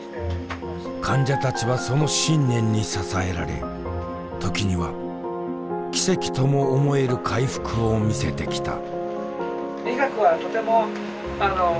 患者たちはその信念に支えられ時には奇跡とも思える回復を見せてきた。